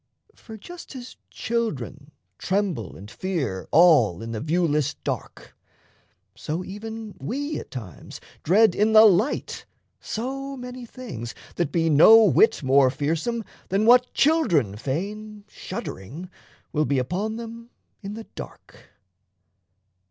For just as children tremble and fear all In the viewless dark, so even we at times Dread in the light so many things that be No whit more fearsome than what children feign, Shuddering, will be upon them in the dark.